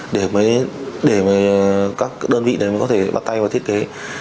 để các đơn vị đấy mới có thể bắt tay vào thiết kế